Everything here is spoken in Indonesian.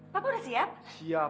papa udah siap